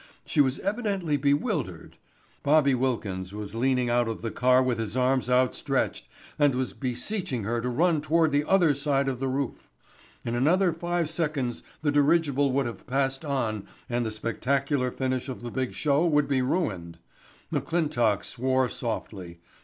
She was evidently bewildered. Bobby Wilkins was leaning out of the car with his arms outstretched and was beseeching her to run toward the other side of the roof. In another five seconds the dirigible would have passed on and the spectacular finish of the big show would be ruined. McClintock swore softly.